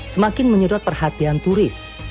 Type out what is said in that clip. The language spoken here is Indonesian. semakin menyedot perhatian turis